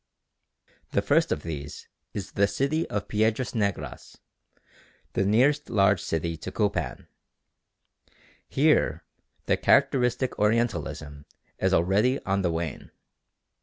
The first of these is the city of Piedras Negras, the nearest large city to Copan. Here the characteristic Orientalism is already on the wane.